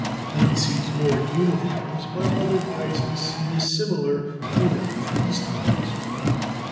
One sees more uniforms, but otherwise the scene is similar to that of peace times.